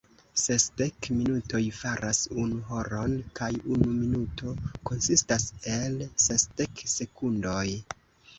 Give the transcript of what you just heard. Sesdek minutoj faras unu horon, kaj unu minuto konsistas el sesdek sekundoj.